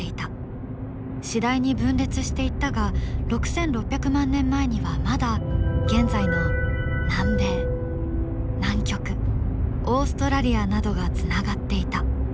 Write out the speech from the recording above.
次第に分裂していったが６６００万年前にはまだ現在の南米南極オーストラリアなどがつながっていた。